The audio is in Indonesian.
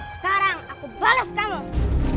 sekarang aku balas kamu